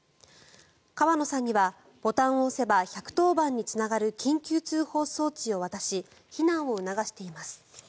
川野さんには、ボタンを押せば１１０番につながる緊急通報装置を渡し避難を促しています。